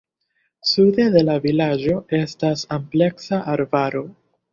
Sude de la vilaĝo estas ampleksa arbaro.